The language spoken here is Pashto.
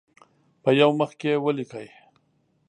په یو مخ کې یې ولیکئ.